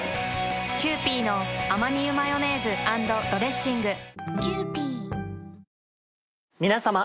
キユーピーのアマニ油マヨネーズ＆ドレッシング皆さま。